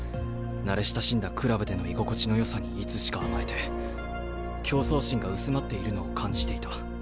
慣れ親しんだクラブでの居心地のよさにいつしか甘えて競争心が薄まっているのを感じていた。